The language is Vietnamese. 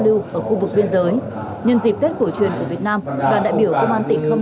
lưu ở khu vực biên giới nhân dịp tết cổ truyền của việt nam đoàn đại biểu công an tỉnh khâm